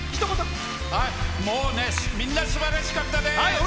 みんなすばらしかったです。